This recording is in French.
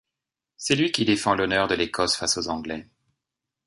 C'est lui qui défend l'honneur de l'Écosse face aux Anglais.